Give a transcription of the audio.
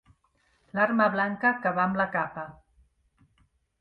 L'arma blanca que va amb la capa.